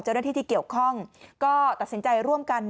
เจ้าหน้าที่ที่เกี่ยวข้องก็ตัดสินใจร่วมกัน